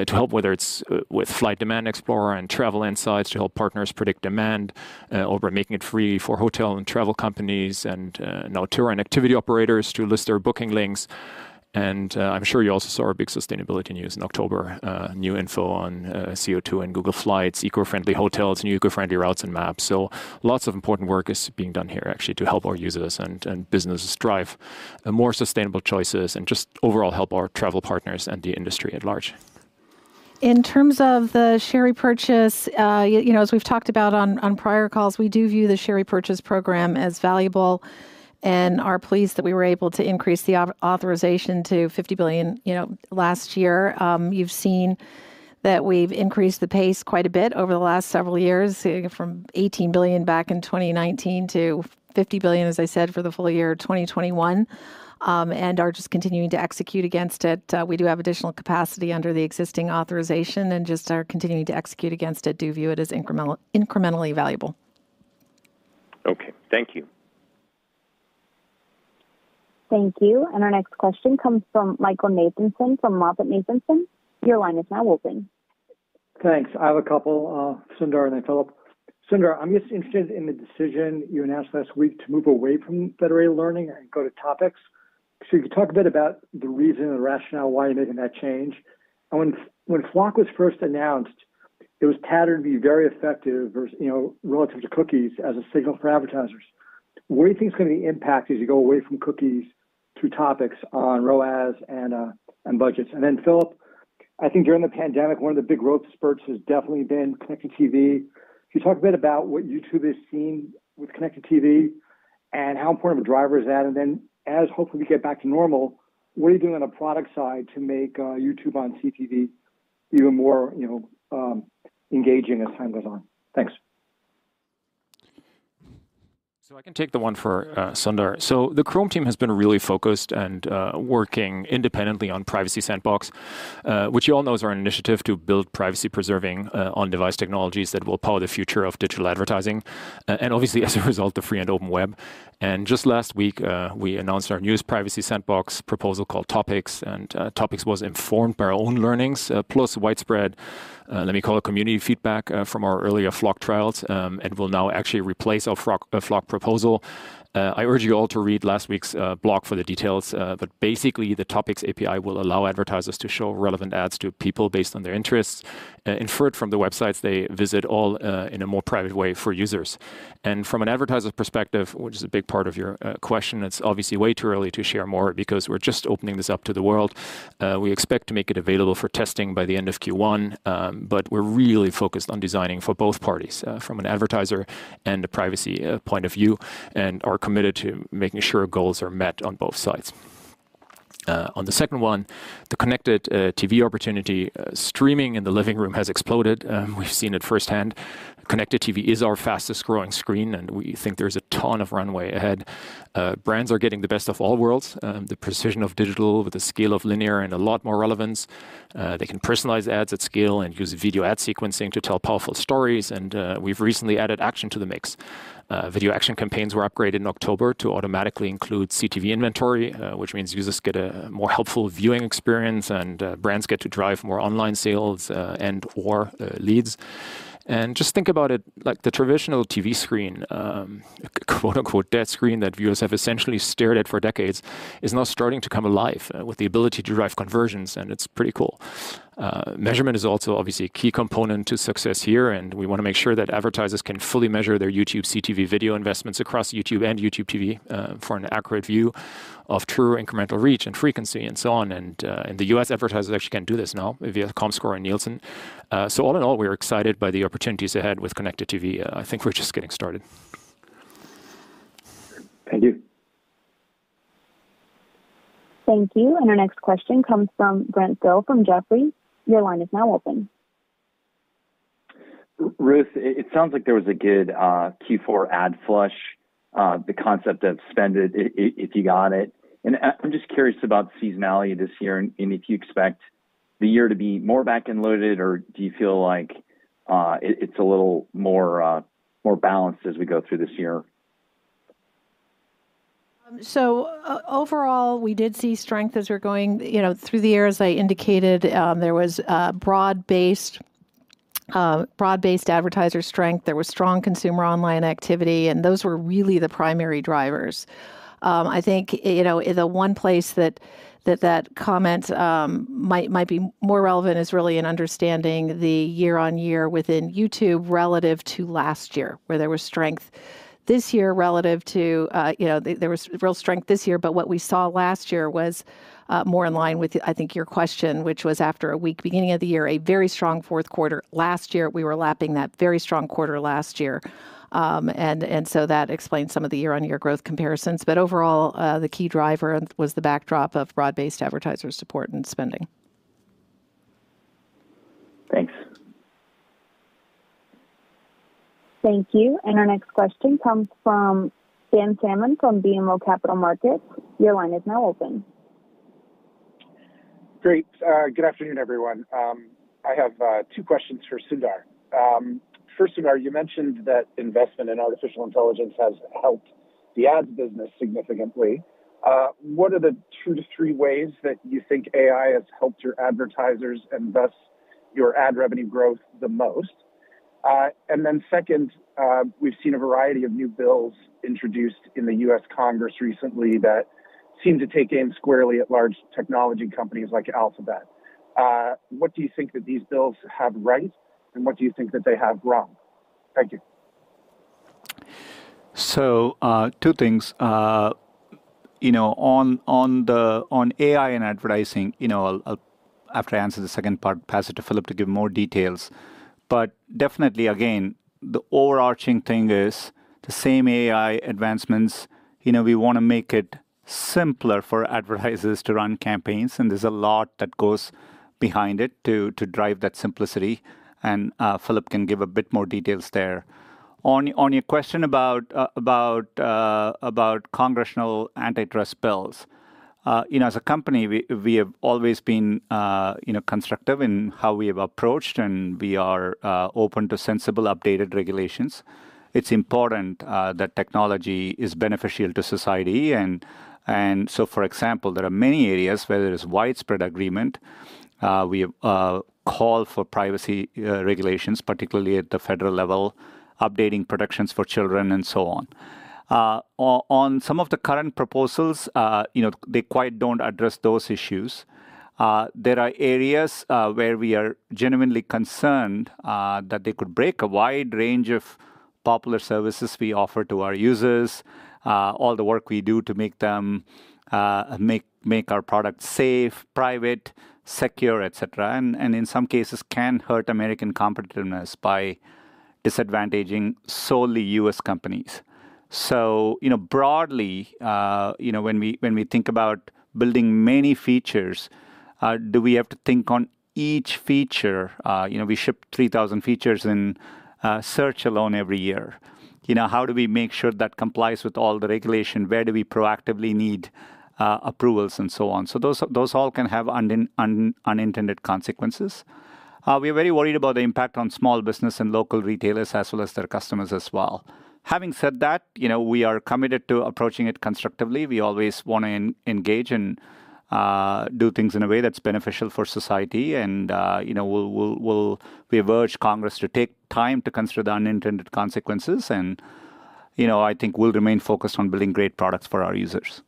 to help, whether it's with Flight Demand Explorer and Travel Insights to help partners predict demand, or by making it free for hotel and travel companies and now tour and activity operators to list their booking links. And I'm sure you also saw our big sustainability news in October, new info on CO2 in Google Flights, eco-friendly hotels, new eco-friendly routes, and maps. Lots of important work is being done here, actually, to help our users and businesses drive more sustainable choices and just overall help our travel partners and the industry at large. In terms of the share repurchase, as we've talked about on prior calls, we do view the share repurchase program as valuable and are pleased that we were able to increase the authorization to $50 billion last year. You've seen that we've increased the pace quite a bit over the last several years from $18 billion back in 2019 to $50 billion, as I said, for the full year 2021, and are just continuing to execute against it. We do have additional capacity under the existing authorization and just are continuing to execute against it and do view it as incrementally valuable. Okay. Thank you. Thank you. And our next question comes from Michael Nathanson from MoffettNathanson. Your line is now open. Thanks. I have a couple, Sundar and then Philipp. Sundar, I'm just interested in the decision you announced last week to move away from Federated Learning and go to topics. So you could talk a bit about the reason and the rationale why you're making that change. When FLoC was first announced, it was patterned to be very effective relative to cookies as a signal for advertisers. Where do you think it's going to be impacted as you go away from cookies through topics on ROAS and budgets? And then, Philipp, I think during the pandemic, one of the big growth spurts has definitely been Connected TV. Can you talk a bit about what YouTube has seen with Connected TV and how important of a driver is that? And then, as hopefully we get back to normal, what are you doing on a product side to make YouTube on CTV even more engaging as time goes on? Thanks. So I can take the one for Sundar. So the Chrome team has been really focused and working independently on Privacy Sandbox, which you all know is our initiative to build privacy-preserving on-device technologies that will power the future of digital advertising and, obviously, as a result, the free and open web. And just last week, we announced our newest Privacy Sandbox proposal called Topics. And Topics was informed by our own learnings, plus widespread, let me call it, community feedback from our earlier FLoC trials and will now actually replace our FLoC proposal. I urge you all to read last week's blog for the details. But basically, the Topics API will allow advertisers to show relevant ads to people based on their interests, inferred from the websites they visit all in a more private way for users. And from an advertiser's perspective, which is a big part of your question, it's obviously way too early to share more because we're just opening this up to the world. We expect to make it available for testing by the end of Q1, but we're really focused on designing for both parties from an advertiser and a privacy point of view and are committed to making sure goals are met on both sides. On the second one, the Connected TV opportunity streaming in the living room has exploded. We've seen it firsthand. Connected TV is our fastest-growing screen, and we think there's a ton of runway ahead. Brands are getting the best of all worlds. The precision of digital with the scale of linear and a lot more relevance. They can personalize ads at scale and use video ad sequencing to tell powerful stories. We've recently added action to the mix. Video action campaigns were upgraded in October to automatically include CTV inventory, which means users get a more helpful viewing experience, and brands get to drive more online sales and/or leads. Just think about it like the traditional TV screen, quote-unquote, "dead screen" that viewers have essentially stared at for decades is now starting to come alive with the ability to drive conversions, and it's pretty cool. Measurement is also, obviously, a key component to success here, and we want to make sure that advertisers can fully measure their YouTube CTV video investments across YouTube and YouTube TV for an accurate view of true incremental reach and frequency and so on. In the U.S., advertisers actually can do this now via Comscore and Nielsen. All in all, we're excited by the opportunities ahead with connected TV. I think we're just getting started. Thank you. Thank you. And our next question comes from Brent Thill from Jefferies. Your line is now open. Ruth, it sounds like there was a good Q4 ad flush, the concept of spend it if you got it, and I'm just curious about seasonality this year and if you expect the year to be more back-end loaded, or do you feel like it's a little more balanced as we go through this year? Overall, we did see strength as we're going through the year. As I indicated, there was broad-based advertiser strength. There was strong consumer online activity, and those were really the primary drivers. I think the one place that that comment might be more relevant is really in understanding the year-on-year within YouTube relative to last year, where there was strength this year relative to there was real strength this year. But what we saw last year was more in line with, I think, your question, which was after a weak beginning of the year, a very strong fourth quarter. Last year, we were lapping that very strong quarter last year. And so that explains some of the year-on-year growth comparisons. But overall, the key driver was the backdrop of broad-based advertiser support and spending. Thanks. Thank you. And our next question comes from Dan Salmon from BMO Capital Markets. Your line is now open. Great. Good afternoon, everyone. I have two questions for Sundar. First, Sundar, you mentioned that investment in artificial intelligence has helped the ads business significantly. What are the two to three ways that you think AI has helped your advertisers and thus your ad revenue growth the most? And then second, we've seen a variety of new bills introduced in the U.S. Congress recently that seem to take aim squarely at large technology companies like Alphabet. What do you think that these bills have right, and what do you think that they have wrong? Thank you. Two things. On AI and advertising, after I answer the second part, pass it to Philipp to give more details. But definitely, again, the overarching thing is the same AI advancements. We want to make it simpler for advertisers to run campaigns, and there's a lot that goes behind it to drive that simplicity. And Philipp can give a bit more details there. On your question about congressional antitrust bills, as a company, we have always been constructive in how we have approached, and we are open to sensible, updated regulations. It's important that technology is beneficial to society. And so, for example, there are many areas where there is widespread agreement. We call for privacy regulations, particularly at the federal level, updating protections for children and so on. On some of the current proposals, they don't quite address those issues. There are areas where we are genuinely concerned that they could break a wide range of popular services we offer to our users, all the work we do to make our product safe, private, secure, etc., and in some cases can hurt American competitiveness by disadvantaging solely U.S. companies. So broadly, when we think about building many features, do we have to think on each feature? We ship 3,000 features in search alone every year. How do we make sure that complies with all the regulation? Where do we proactively need approvals and so on? So those all can have unintended consequences. We are very worried about the impact on small business and local retailers as well as their customers as well. Having said that, we are committed to approaching it constructively. We always want to engage and do things in a way that's beneficial for society. We urge Congress to take time to consider the unintended consequences. I think we'll remain focused on building great products for our users.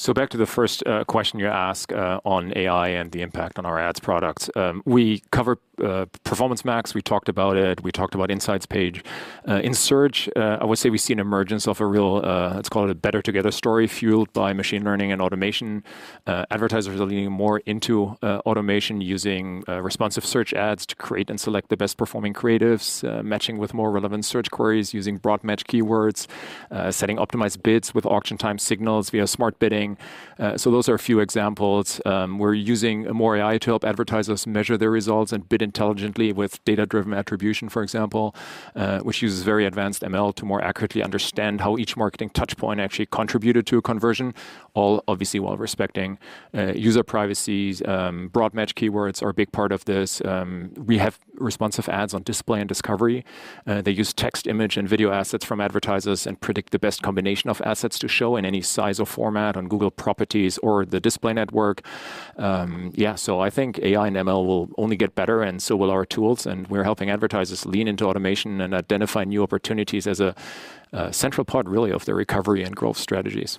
So back to the first question you asked on AI and the impact on our ads products. We covered Performance Max. We talked about it. We talked about Insights Page. In search, I would say we see an emergence of a real, let's call it a better together story fueled by machine learning and automation. Advertisers are leaning more into automation using responsive search ads to create and select the best-performing creatives, matching with more relevant search queries using broad match keywords, setting optimized bids with auction time signals via Smart Bidding. So those are a few examples. We're using more AI to help advertisers measure their results and bid intelligently with data-driven attribution, for example, which uses very advanced ML to more accurately understand how each marketing touchpoint actually contributed to a conversion, all obviously while respecting user privacy. Broad match keywords are a big part of this. We have responsive ads on display and discovery. They use text, image, and video assets from advertisers and predict the best combination of assets to show in any size or format on Google properties or the display network. Yeah, so I think AI and ML will only get better, and so will our tools. And we're helping advertisers lean into automation and identify new opportunities as a central part, really, of their recovery and growth strategies.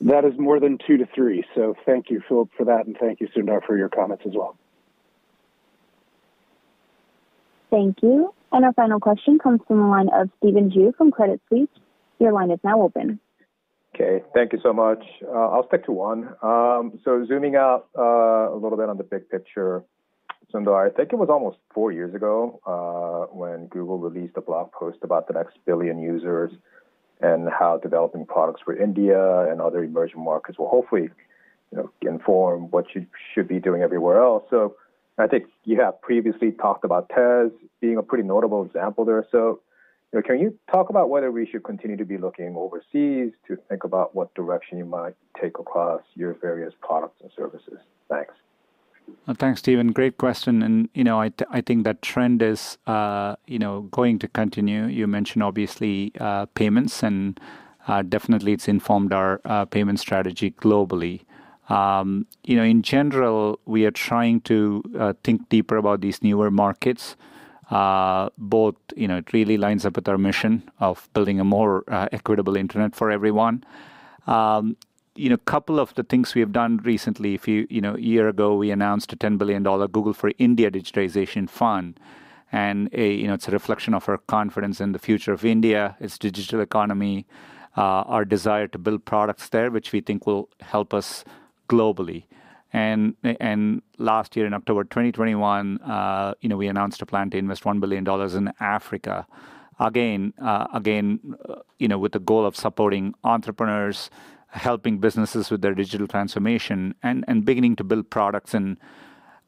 That is more than two to three. So thank you, Philipp, for that, and thank you, Sundar, for your comments as well. Thank you. And our final question comes from the line of Stephen Ju from Credit Suisse. Your line is now open. Okay. Thank you so much. I'll stick to one. So zooming out a little bit on the big picture, Sundar, I think it was almost four years ago when Google released a blog post about the next billion users and how developing products for India and other emerging markets will hopefully inform what you should be doing everywhere else. So I think you have previously talked about Tez being a pretty notable example there. So can you talk about whether we should continue to be looking overseas to think about what direction you might take across your various products and services? Thanks. Thanks, Steven. Great question. And I think that trend is going to continue. You mentioned, obviously, payments, and definitely it's informed our payment strategy globally. In general, we are trying to think deeper about these newer markets, both it really lines up with our mission of building a more equitable internet for everyone. A couple of the things we have done recently, a year ago, we announced a $10 billion Google for India Digitization Fund. And it's a reflection of our confidence in the future of India, its digital economy, our desire to build products there, which we think will help us globally. And last year, in October 2021, we announced a plan to invest $1 billion in Africa. Again, with the goal of supporting entrepreneurs, helping businesses with their digital transformation, and beginning to build products in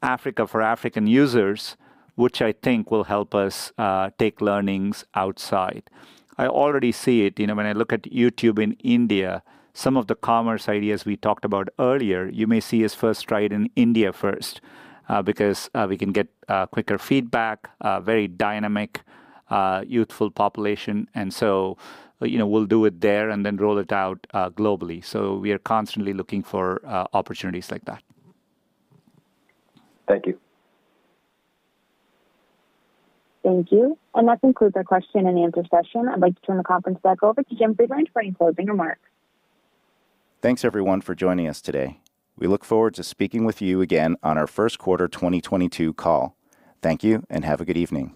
Africa for African users, which I think will help us take learnings outside. I already see it. When I look at YouTube in India, some of the commerce ideas we talked about earlier, you may see us first try it in India first because we can get quicker feedback, very dynamic, youthful population, and so we'll do it there and then roll it out globally, so we are constantly looking for opportunities like that. Thank you. Thank you. And that concludes our question and answer session. I'd like to turn the conference back over to Jim Friedland for any closing remarks. Thanks, everyone, for joining us today. We look forward to speaking with you again on our first quarter 2022 call. Thank you, and have a good evening.